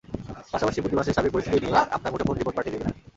পাশাপাশি প্রতি মাসের সার্বিক পরিস্থিতি নিয়ে আপনার মুঠোফোনে রিপোর্ট পাঠিয়ে দেবে।